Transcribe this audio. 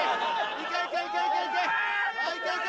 いけいけいけいけ！